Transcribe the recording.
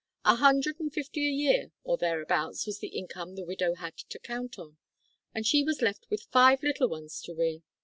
A hundred and fifty a year or thereabouts was the income the widow had to count on, and she was left with five little ones to rear.